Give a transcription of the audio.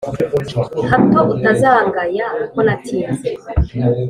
Hato utazangaya ko natinze